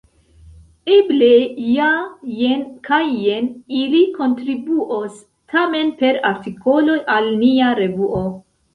Eble ja jen kaj jen ili kontribuos tamen per artikoloj al nia revuo.